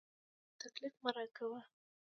تکليف مه راکوه.